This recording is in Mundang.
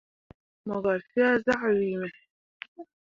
Mo gah fea zah wii me.